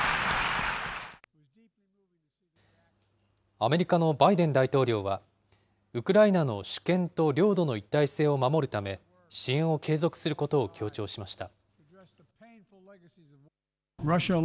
アメリカのバイデン大統領は、ウクライナの主権と領土の一体性を守るため、支援を継続することを強調しました。